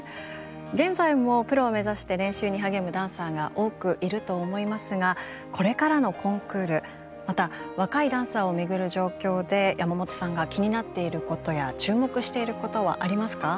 現在もプロを目指して練習に励むダンサーが多くいると思いますがこれからのコンクールまた若いダンサーを巡る状況で山本さんが気になっていることや注目していることはありますか？